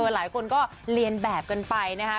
หลายคนก็เรียนแบบกันไปนะคะ